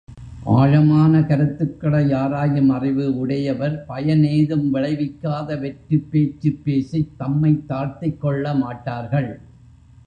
ஆழமான கருத்துகளை ஆராயும் அறிவு உடையவர் பயன் ஏதும் விளைவிக்காத வெற்றுப் பேச்சுப் பேசித் தம்மைத் தாழ்த்திக்கொள்ள மாட்டார்கள்.